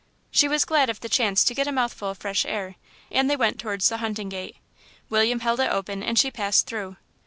She was glad of the chance to get a mouthful of fresh air, and they went towards the hunting gate. William held it open and she passed through.